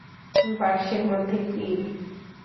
বাক্সের মধ্যে কি?